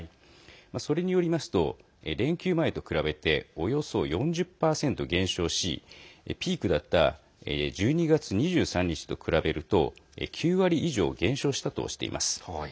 それによりますと連休前と比べておよそ４０％減少しピークだった１２月２３日と比べると９割以上減少したとしています。